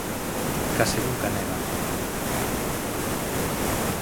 Case nunca neva.